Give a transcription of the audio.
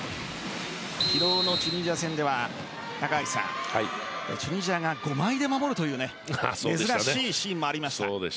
昨日のチュニジア戦ではチュニジアが５枚で守るという珍しいシーンもありました。